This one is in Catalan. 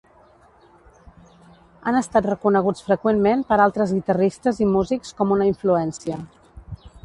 Han estat reconeguts freqüentment per altres guitarristes i músics com una influència.